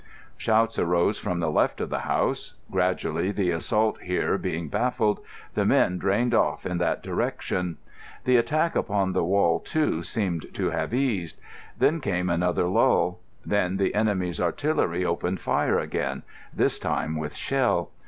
Shouts arose from the left of the house. Gradually, the assault here being baffled, the men drained off in that direction. The attack upon the wall, too, seemed to have eased. Then came another lull. Then the enemy's artillery opened fire again, this time with shell.